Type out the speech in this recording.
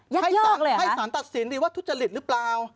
ยักยอกเลยเหรอคะให้สารตัดสินดิว่าทุจริตหรือเปล่า